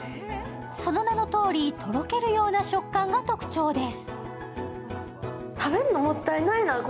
その名のとおり、とろけるような食感が特徴です。